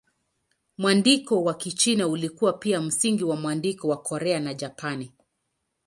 Mwandiko wa Kichina ulikuwa pia msingi wa mwandiko wa Korea na Japani.